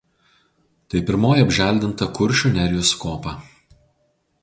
Tai pirmoji apželdinta Kuršių nerijos kopa.